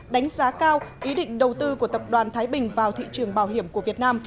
đánh giá cao ý định đầu tư của tập đoàn thái bình vào thị trường bảo hiểm của việt nam